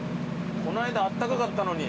この間あったかかったのに。